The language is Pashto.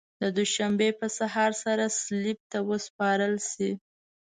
د دوشنبې په سهار سره صلیب ته وسپارل شي.